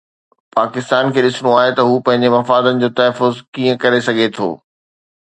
پاڪستان کي ڏسڻو آهي ته هو پنهنجي مفادن جو تحفظ ڪيئن ڪري سگهي ٿو.